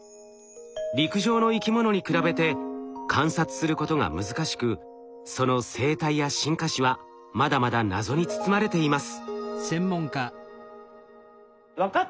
陸上の生き物に比べて観察することが難しくその生態や進化史はまだまだ謎に包まれています。